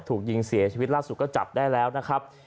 ถูกยิงเสียชีวิตล่าสุดก็จับได้แล้วนะครับ